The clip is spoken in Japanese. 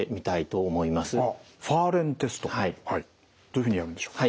どういうふうにやるんでしょう。